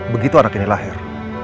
begitu anak ini lahir